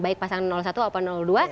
baik pasangan satu atau dua